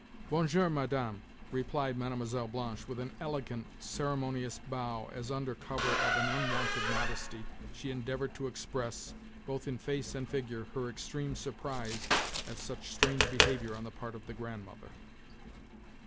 "Bonjour, madame," replied Mlle. Blanche with an elegant, ceremonious bow as, under cover of an unwonted modesty, she endeavoured to express, both in face and figure, her extreme surprise at such strange behaviour on the part of the Grandmother.